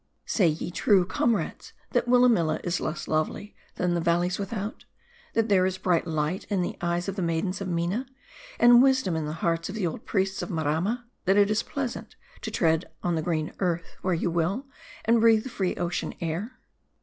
Say ye true, comrades, that Willamilla is less lovely than the valleys without ? that there is bright light in the eyes of the maidens of Mina ? and wisdom in the hearts of the old priests of Maramma ; that it is pleasant to ,tread the green earth where you will ; and breathe the free ocean air